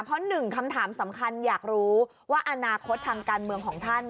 เพราะหนึ่งคำถามสำคัญอยากรู้ว่าอนาคตทางการเมืองของท่าน